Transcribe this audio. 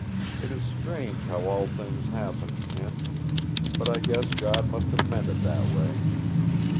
It is strange how all things happened, Kent. But I guess God must have meant it that way.